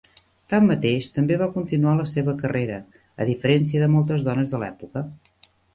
Tanmateix, també va continuar la seva carrera, a diferència de moltes dones de l'època.